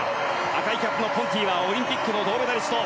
赤いキャップのポンティはオリンピックの銅メダリスト。